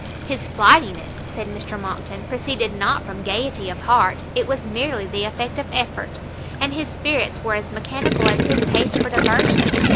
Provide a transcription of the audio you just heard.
"His flightiness," said Mr Monckton, "proceeded not from gaiety of heart, it was merely the effect of effort; and his spirits were as mechanical as his taste for diversion.